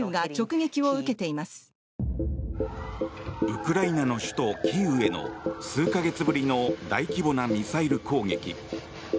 ウクライナの首都キーウへの数か月ぶりの大規模なミサイル攻撃。